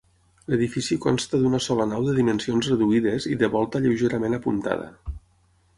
L'edifici consta d'una sola nau de dimensions reduïdes i de volta lleugerament apuntada.